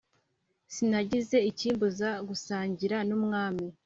Sinagize ikimbuza gusangira n’umwami